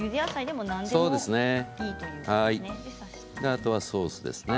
あとはソースですね。